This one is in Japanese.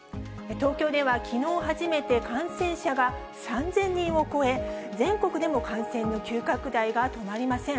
東京ではきのう初めて感染者が３０００人を超え、全国でも感染の急拡大が止まりません。